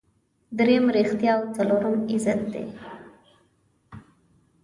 دریم ریښتیا او څلورم عزت دی.